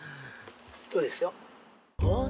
そうですよ。